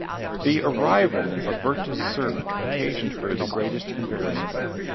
The arrival of Werther's servant occasioned her the greatest embarrassment.